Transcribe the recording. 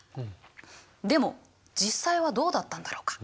でも実際はどうだったんだろうか？